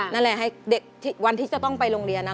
นั่นแหละให้เด็กวันที่จะต้องไปโรงเรียนนะ